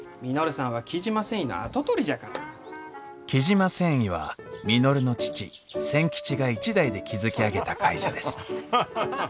雉真繊維は稔の父千吉が一代で築き上げた会社です。